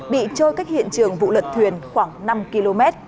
bị trôi cách hiện trường vụ lật thuyền khoảng năm km